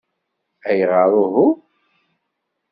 Ayɣer uhu?